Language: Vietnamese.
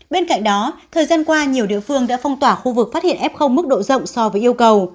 bên cạnh đó thời gian qua nhiều địa phương đã phong tỏa khu vực phát hiện f mức độ rộng so với yêu cầu